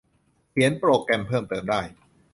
เขียนโปรแกรมเพิ่มเติมได้